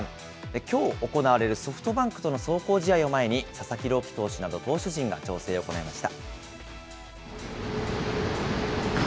きょう行われるソフトバンクとの壮行試合を前に、佐々木朗希投手など投手陣が調整を行いました。